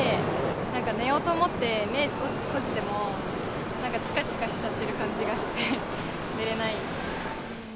なんか寝ようと思って目閉じても、なんかちかちかしちゃってる感じがして、寝れないです。